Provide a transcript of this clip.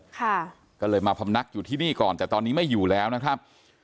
ค่ะก็เลยมาพำนักอยู่ที่นี่ก่อนแต่ตอนนี้ไม่อยู่แล้วนะครับ